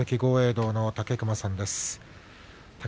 道の武隈さんです。